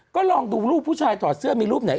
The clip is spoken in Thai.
ก็ลองดูรูปผู้ชายถอดเสื้อมีรูปไหน